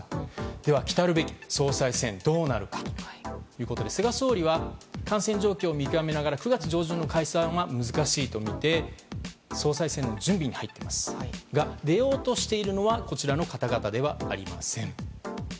では来るべき総裁選はどうなるかということで菅総理は感染状況を見極めながら９月上旬の解散は難しいとみて総裁選の準備に入っていますが出ようとしているのはこちらの方々ではありません。